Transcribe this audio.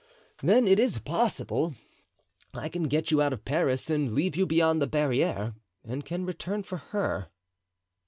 "Then it is possible. I can get you out of Paris and leave you beyond the barriere, and can return for her."